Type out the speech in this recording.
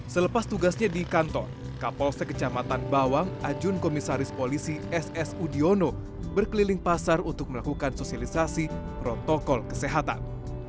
selepas tugasnya di kantor kapolsek kecamatan bawang ajun komisaris polisi ss udiono berkeliling pasar untuk melakukan sosialisasi protokol kesehatan